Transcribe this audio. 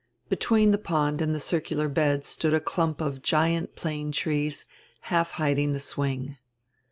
Between die pond and die circular bed stood a clump of giant plane trees, half hiding die swing.